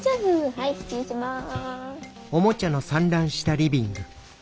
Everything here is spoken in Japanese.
はい失礼します。